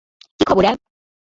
কী খবর, অ্যাব?